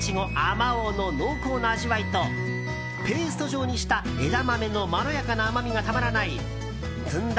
まおうの濃厚な味わいとペースト状にした枝豆のまろやかな甘みがたまらないずんだ